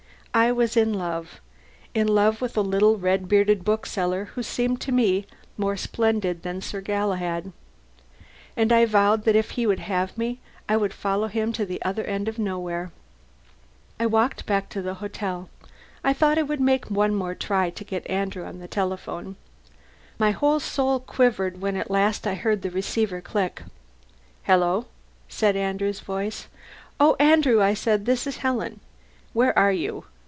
I was in love in love with a little, red bearded bookseller who seemed to me more splendid than Sir Galahad. And I vowed that if he would have me, I would follow him to the other end of nowhere. I walked back to the hotel. I thought I would make one more try to get Andrew on the telephone. My whole soul quivered when at last I heard the receiver click. "Hello?" said Andrew's voice. "Oh, Andrew," I said, "this is Helen." "Where are you?"